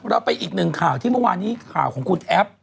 เราไปอีกหนึ่งข่าวที่เมื่อวานนี้ข่าวของคุณแอป